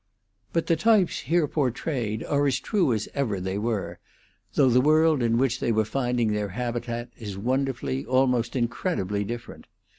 But the types here portrayed are as true as ever they were, though the world in which they were finding their habitat is wonderfully, almost incredibly different.